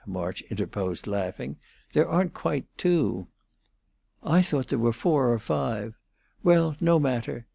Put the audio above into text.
March interposed, laughing. "There aren't quite two." "I thought there were four or five. Well, no matter.